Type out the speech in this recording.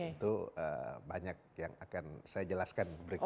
itu banyak yang akan saya jelaskan berikutnya